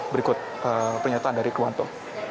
berikut pernyataan dari rikwanto